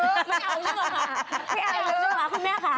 ไม่เอาจริงเหรอค่ะ